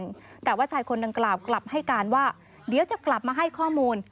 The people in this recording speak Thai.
แต่ว่าชายคนดังกล่าวกลับให้การว่าเดี๋ยวจะกลับมาให้ข้อมูล